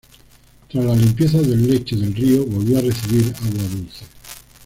Tras la limpieza del lecho del río, volvió a recibir agua dulce.